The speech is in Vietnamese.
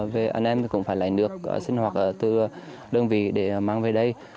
về anh em thì cũng phải lấy nước sinh hoạt từ đơn vị để mang về đây